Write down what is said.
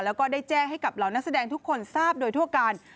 แล้วก็ได้แจ้งให้กับเหล่านักแสดงทุกคนทราบโดยทั่วกัน